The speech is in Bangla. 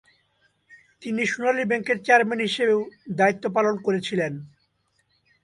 তিনি সোনালী ব্যাংকের চেয়ারম্যান হিসাবেও দায়িত্ব পালন করেছিলেন।